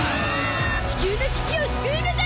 地球の危機を救うのだ！